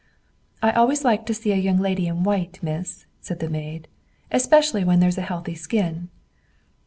"I always like to see a young lady in white, miss," said the maid. "Especially when there's a healthy skin."